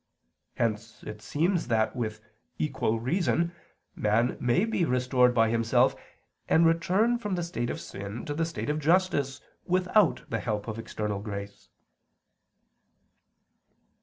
Hence it seems that, with equal reason, man may be restored by himself, and return from the state of sin to the state of justice without the help of external grace.